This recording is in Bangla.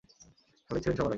খালিদ ছিলেন সবার আগে।